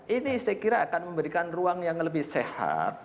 ini saya kira akan memberikan ruang yang lebih sehat